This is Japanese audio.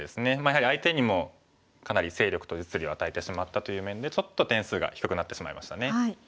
やはり相手にもかなり勢力と実利を与えてしまったという面でちょっと点数が低くなってしまいましたね。